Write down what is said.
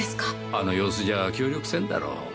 あの様子じゃ協力せんだろう。